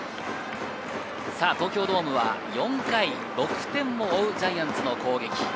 東京ドームは４回、６点を追うジャイアンツの攻撃。